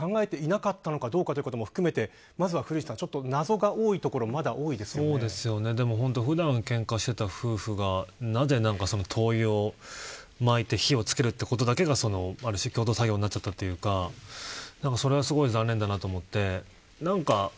ここまでの経過は考えてなかったのかも含めて謎が多いところ普段、けんかしていた夫婦がなぜ灯油をまいて火を付けるということだけがある種、共同作業になっちゃったというかそれがすごい残念だなと思って。